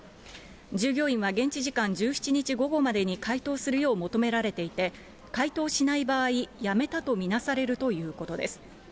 従業員は現地時間１７日午後までに回答するよう求められていて、回答しない場合、辞めたと見なされるということです。